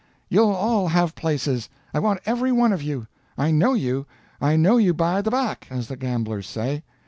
You'll all have places; I want every one of you. I know you I know you 'by the back,' as the gamblers say.